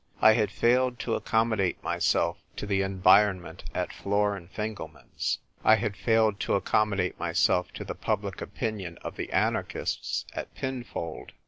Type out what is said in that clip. I had failed to accommodate myself to the environment at Flor and Fingelman's ; I had failed to accommodate myself to the public opinion of the anarchists at Pinfold.